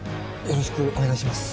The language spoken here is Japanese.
よろしくお願いします